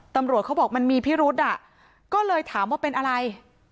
ตำรวจเขาบอกมันมีพิรุษอ่ะก็เลยถามว่าเป็นอะไร